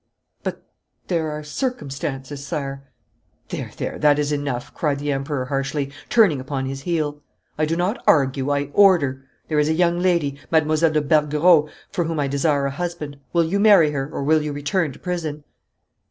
'But there are circumstances, sire ' 'There, there, that is enough!' cried the Emperor harshly, turning upon his heel. 'I do not argue, I order. There is a young lady, Mademoiselle de Bergerot, for whom I desire a husband. Will you marry her, or will you return to prison?'